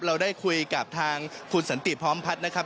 เราได้คุยกับทางคุณสันติพร้อมพัฒน์นะครับ